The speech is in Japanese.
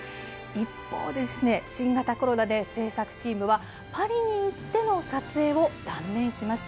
一方、新型コロナで制作チームは、パリに行っての撮影を断念しました。